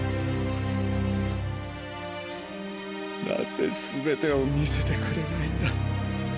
なぜすべてを見せてくれないんだ。